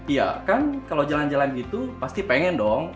iya kan kalau jalan jalan gitu pasti pengen dong